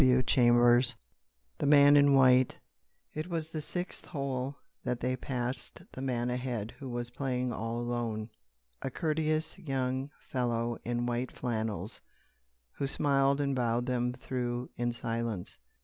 CHAPTER VIII THE MAN IN WHITE It was at the sixth hole that they passed the man ahead who was playing all alone—a courteous young fellow in white flannels, who smiled and bowed them "through" in silence.